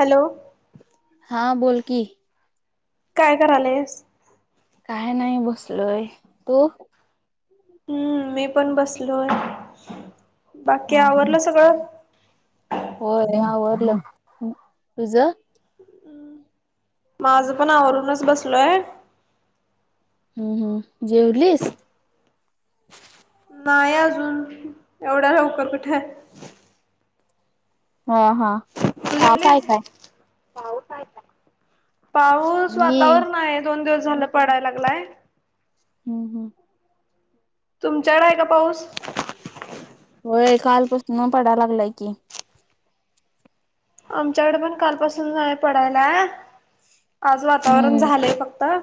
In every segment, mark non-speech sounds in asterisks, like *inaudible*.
Hello हा बोल की काय करालेस काय नाही बसलोय तू हम्म मी पण बसलोय बाकी हा हा आवरलं सगळं होय आवरल तुझ माझ पण आवरूनच बसलोय हम्म हम्म जेवलीस नाही अजून एवढया लवकर कुठ हा हा पाऊस आहे काय पाऊस हाय काय पाऊस मी वातावरण आहे दोन दिवस झाल पडाय लागलाय हु हु तुमच्याकड आहे का पाऊस होय कालपासन पडायला लागलाय की आमच्याकडे पण कालपासून पडायला आज वातावरण हम्म झालय बग अ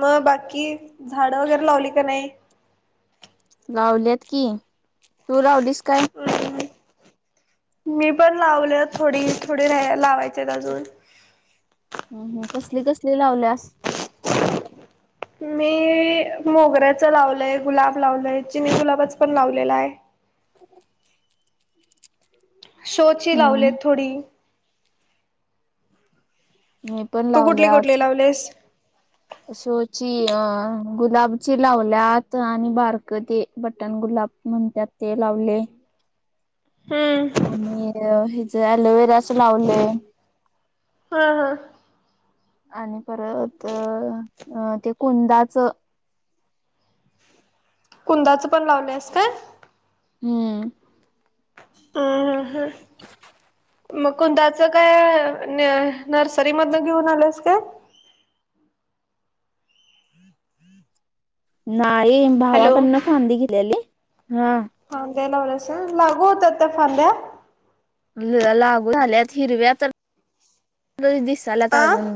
मग बाकी झाड वगैरे लावली का नाही लावल्यात की तू लावलीस काय मी मी पण लावलेत थोडी थोडी राह लावायचे अजून हम हम कसली कसली लावल्यास मी मोगऱ्याचं लावलय गुलाब लावलय चिनी गुलाबच पण लावलेला आहे शोची हम्म लावलेत थोडी हम तू कुठली कुठली लावलेस शोची अ गुलाबची लावल्यात आणि बारक ते बटण गुलाब म्हणतात ते लावले हम्म आणि हेज अलोवेराच लावलेय हा हा. आणि परत अह ते कुंदाचं कुंदाचं पण लावलंस का? हम्म. हम्म हम्म हम्म. मग कुंदा च काय न नर्सरी मधन घेऊन आलंस का? नाही हॅलो भावाकडनं फांदीे दिलेली, हा. फांद्या लावल्यासा, लागू होतात त्या फांद्या लागू झाल्यात हिरव्या तर दिसाल्यात आ अजून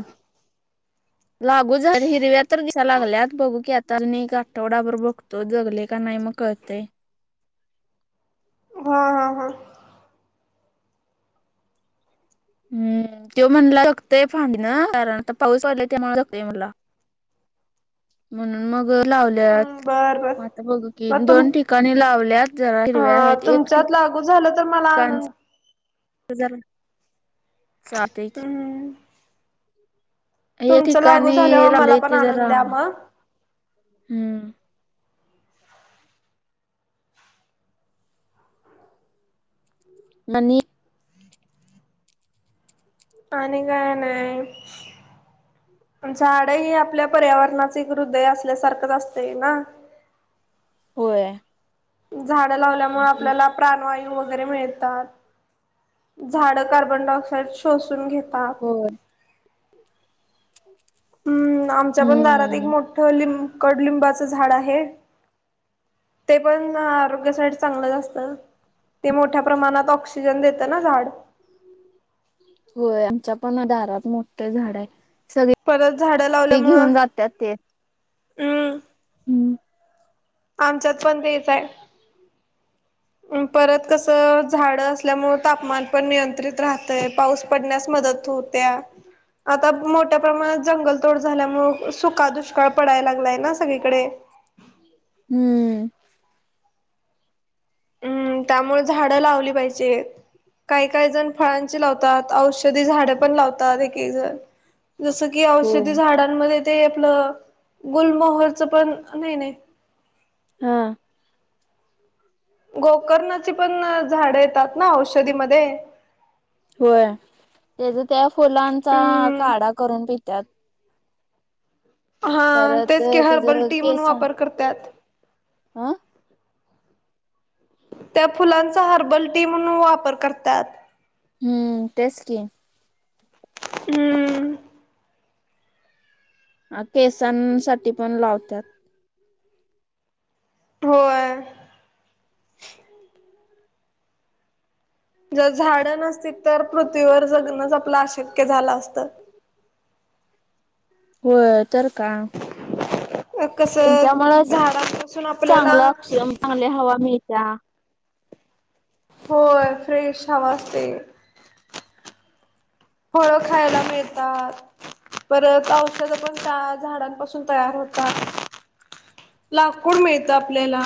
*unintelligible* लागू झाली हिरव्या तर दिसा लागल्यात बघू की आता अजून एक आठवडाभर बघतो जगले का नाही मग कळतंय. हा हा हा. हम्म तो म्हणला जगतय फांडी ना कारण आता पाऊस पडलाय त्यामुळे जगतय म्हणाला ह. म्हणून मग लावल्यात. बर बर म्हटलं बघू की, मग तुम दोन ठिकाणी लावल्या जरा हिरव्या आहेत एक ठिका म झालं तर मला आणून *unintelligible* हम्म एक तुमचं लागू ठिकाणी झाल्यावर मला लावलीय पण ती जरा आणून द्या मग. हम्म. *unintelligible* आणि आणि काय नाय. झाड ही आपल्या पर्यावरणाच एक हृदय असल्यासारखंच असतय ना. होय. झाडं लावल्यामुळे आपल्याला प्राणवायू वगैरे मिळतात. झाड कार्बन डायऑक्साइड शोषून घेतात. हो. हम्म आमच्या पण दारात एक मोठं लिं कडलिंबाचं झाड आहे. ते पण आरोग्यासाठी चांगलंच असतं. ते मोठ्या प्रमाणात ऑक्सिजन देतं ना झाड. होय आमच्या पण दारात मोठ झाड आहे सगळे परत झाडं लावल्यामुळ हम्म. हम्म. आमच्यात पण तेच आहे परत कसं झाडं असल्यामुळं तापमान पण नियंत्रित राहतं आहे, पाऊस पडण्यास मदत हो त्या. आता मोठ्या प्रमाणात जंगलतोड झाल्यामुळे सुका दुष्काळ पडायला लागलाय ना सगळीकडे. हम्म. हम्म त्यामुळे झाडं लावली पाहिजे. काही काही जण फळांची झाड लावतात, औषधी झाड पण लावतात एक एक जण जस कि होय औषधी झाडांमध्ये ते आपलं गुलमहरच पण, नाही नाही हा. गोकर्णाची पण झाडं येतात ना औषधीमध्ये होय त्याचा त्या फुलांचा हम्म काढा करून पित्यात हा, परत तेच के हर त्याच बलटी म्हणून वापर करतात. हा, त्या फुलांचा हर्बल टी म्हणून वापर करतात. हम्म तेच की, हम्म, हा, केसांसाठी पण लावतात. होय, जर झाडं नसती तर पृथ्वीवर जगणच आपलं अशक्य झालं असतं. होय, तर का कसं त्यांच्यामुळे झाडांपासून आपल्याला चांगलं अक्ष ''--'' चांगल्या हवा मिळता. होय फ्रेश हवा असते. फळ खायला मिळतात. परत औषध पण त्या झाडांपासून तयार होत. लाकूड मिळत आपल्याला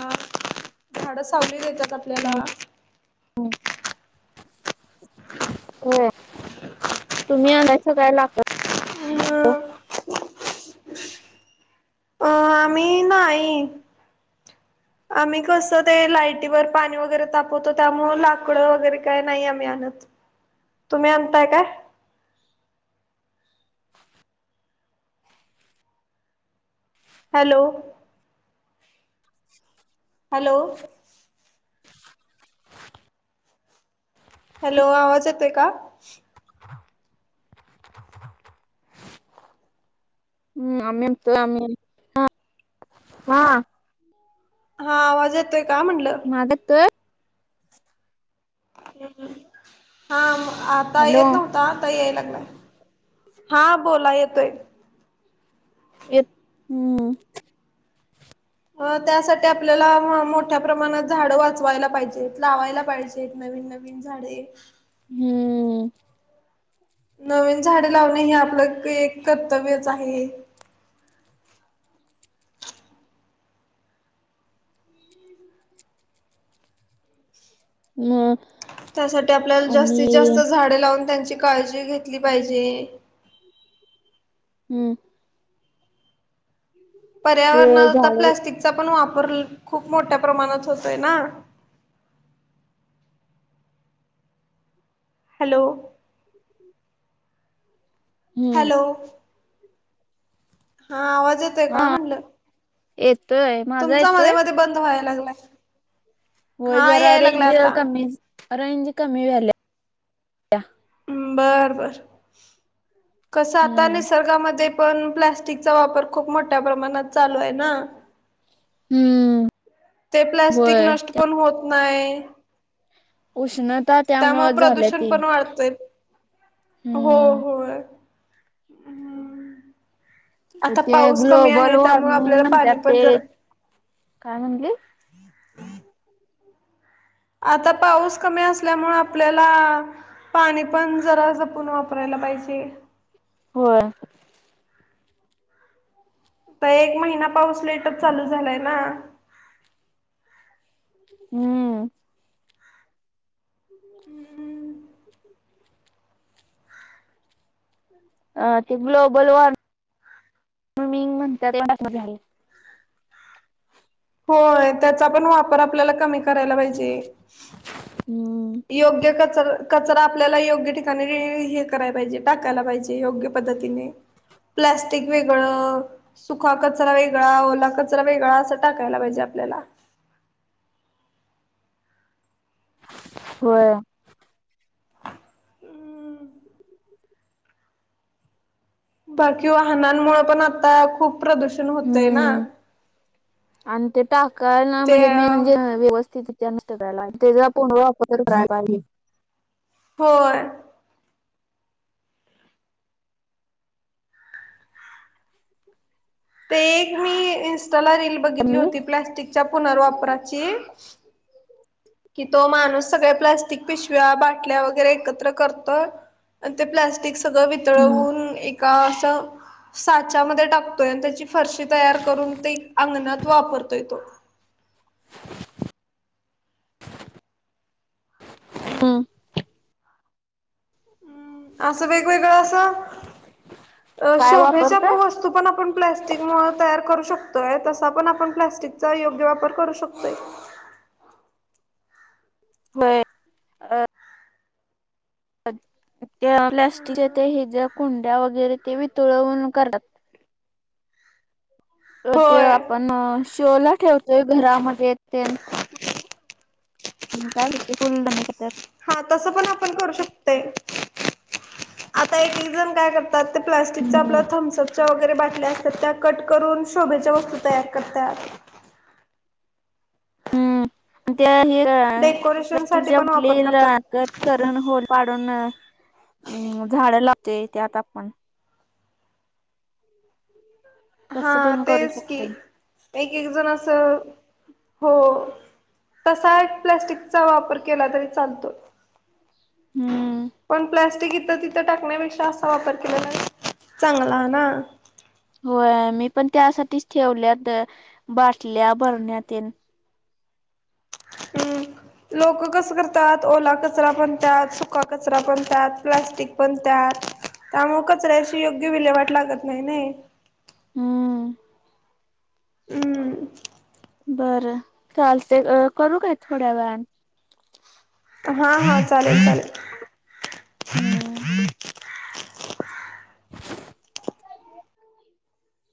झाड सावली देतात आपल्याला. हो, होय तुम्ही आल्यायच काय लागत. हम *inaudible* अ मी नाहीई. आम्ही कसं ते लायटीवर पाणी वगैरे तापवतो त्यामुळ लाकडं वगैरे काय नाही आम्ही आणत. तुम्ही आणताय काय. हॅलो, *inaudible* हॅलो, हॅलो आवाज येतो आहेय का, हम् आमम *inaudible* त आम ह हा हा आवाज येतोय का म्हटलं. मागतोय. हा, आता हॅलो येत नव्हता. ता लागलाय हा बोला येतोय. ए त हम्म, अ त्यासाठी आपल्याला म मोठ्या प्रमाणात झाडं वाचवायला पाहिजेत लावायला पाहिजेत. नवीन नवीन झाडे. हम्म, नवीन झाडे लावणे हे आपलं एक कर्तव्यच आहे. मग. त्यासाठी आपल्याला जास्तीत जास्त झाडे लावून त्यांची काळजी घेतली पाहिजे. हम्म, पर्यावरणात होय आता झाड प्लॅस्टिकचा पण वापर खूप मोठ्या प्रमाणात होतोय ना. हॅलो, हम्म हॅलो, हा आवाज येतोय हा का म्हणल? येतोय माझा येतोय. ते बंद व्हायला लागला. होय हा जरा याय रेंज आता कमी रेंज कमी व्हायला. बर बर, कस आता हम्म निसर्गामध्ये पण प्लॅस्टिकचा वापर खूप मोठ्या प्रमाणात चालू आये ना. हम्म ते प्लस्टिक होय नष्ट पण होत नाय उष्णता त्यामुळे झाल्या प्रदूषण ती पण वाढ हो हम्म होय हम्म ते ग्लबल त्यामुळे मी आपल्याला पाणी म्हणत्यात पण ते, जरा काय म्हणले? आता पाऊस कमी असल्यामुळ आपल्याला, पाणी पण जरा जपून वापरायला पाहिजे. व्हय तर एक महिना पाऊस लेटच चालू झालाय ना. हम *unintelligible* अ ते ग्लोबल वॉर्मि *inaudible* र्मिंग म्हणता ते होय, त्याचा पण वापर आपल्याला कमी करायला पाहिजे. उम्म योग्य कचर कचरा आपल्याला योग्य ठिकाणी हे करायला पाहिजे टाकायला पाहिजे योग्य पद्धतीने प्लॅस्टिक वेगळ सुखा कचरा वेगळा ओला कचरा वेगळा अस टाकायला पाहिजे आपल्याला. होय बाकी वाहनांमुळे पण आता खूप प्रदूष हम्म आणि ते टाकाय ना ते म्हणजे म म्हणजे व्यवस्थित न करायला पाजे *unintelligible* कराय पाहिजे होय *inaudible* ते एक मी इन्स्टाला रील काय बघितली होती म्हणलास? प्लॅस्टिकच्या पुनर्वापराची कि तो माणूस सगळ्या प्लास्टिक पिशव्या, बाटल्या वगरै एकत्र करतोय आणि ते प्लॅस्टिक सगळ हम्म वितळवून एका अस साच्यामध्ये टाकतोय आणि त्याची फरशी तयार करून ते अंगणात वापरतोय तो. हम हम्म अस वेगवेगळ अस अ काय शोभेच्या प वापरतोय? वत पण आपण प्लॅस्टिक तयार करू शकतोय तसा पण आपण प्लस्टिकचा योग्य वापर करू शकतोय. व्हय त्या प्लॅस्टिकचे हे ते ज्या कुंड्या वगैरे ते वितुळवून करतात तर ते होय आपण शोला ठेवतोय घरामध्ये ते काय होत फुल दोन *unintelligible* हा तस पण आपण करू शकतय आता एक रिझन काय करत ते प्लास्टिकच्या आपल्या थम्सअपच्या वगरे बाटल्या असतात त्या कट करून शोभेच्या वस्तू तयार करत्या हम्म आणि त्या हे डेकोरेशन साठी प्लास्टिकच्या पण वापर करतात. *unintelligible* करन होल पाडून झाडं लावते त्यात आपण हा तसं पण करू तेच की शकतोय. एक एक जण असं हो तसा एक प्लॅस्टिकचा वापर केला तरी चालतोय. हम्म पण प्लॅस्टिकी तिथं टाकण्यापेक्षा असा वापर केला चांगला ना होय, मी पण त्यासाठीच ठेवल्यात, बाटल्या बरण्या तें ह्म. लोकं कसं करतात, ओला कचरा पण त्यात, सुका कचरा पण त्यात, प्लॅस्टिक पण त्यात त्यामुळ कचऱ्याची, योग्य विल्हेवाट लागत नाई, नई हम्म. हम्. बरं, चालते, अ करू काय, थोड्या वेळानं? हा हा, चालेल- चालेल. हम.